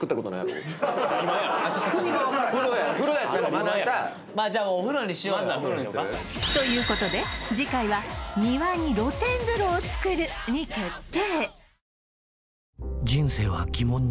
まずはお風呂にする？ということで次回は「庭に露天風呂を作る」に決定！